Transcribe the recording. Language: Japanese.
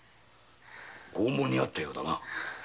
拷問にあったようだな。